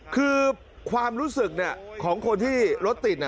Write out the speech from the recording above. คือความรู้สึกของคนที่รถติด